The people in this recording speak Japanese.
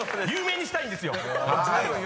有名にしたいんですよ。